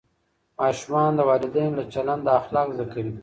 ماشومان د والدینو له چلنده اخلاق زده کوي.